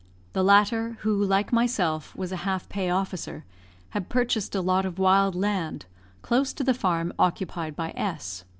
The latter, who like myself, was a half pay officer, had purchased a lot of wild land, close to the farm occupied by S